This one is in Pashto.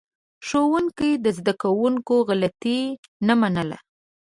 ښوونکي د زده کوونکو غلطي نه منله.